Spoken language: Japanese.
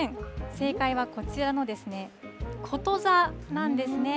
正解はこちらの、こと座なんですね。